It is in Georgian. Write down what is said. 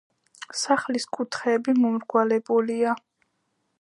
სახლის კუთხეები მომრგვალებულია.